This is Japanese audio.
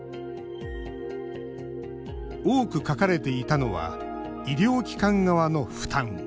多く書かれていたのは医療機関側の負担。